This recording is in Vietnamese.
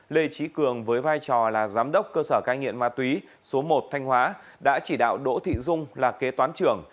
lê trí cường với vai trò là giám đốc cơ sở cai nghiện ma túy số một thanh hóa đã chỉ đạo đỗ thị dung là kế toán trưởng